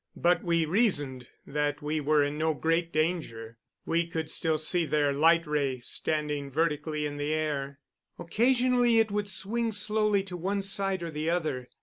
But we reasoned that we were in no great danger. We could still see their light ray standing vertically in the air. Occasionally it would swing slowly to one side or the other.